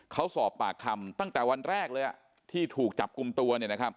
เขาสอบปากคำตั้งแต่วันแรกเลยที่ถูกจับกลุ่มตัว